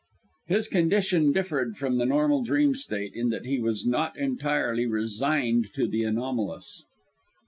His condition differed from the normal dream state, in that he was not entirely resigned to the anomalous.